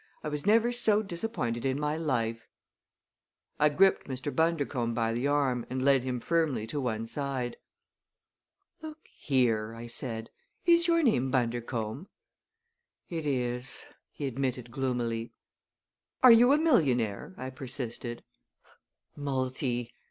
I was never so disappointed in my life!" I gripped Mr. Bundercombe by the arm and led him firmly to one side. "Look here," I said, "is your name Bundercombe?" "It is," he admitted gloomily. "Are you a millionaire?" I persisted. "Multi!"